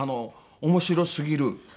面白すぎる。